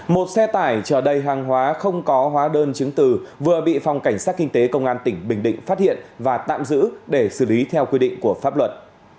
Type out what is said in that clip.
một xe tải chờ đầy hàng hóa không có hóa đơn chứng từ vừa bị phòng cảnh sát kinh tế công an tỉnh bình định phát hiện và tạm giữ để xử lý theo quy định của pháp luật